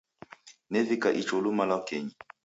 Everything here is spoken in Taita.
Nevika icho luma lwakenyi.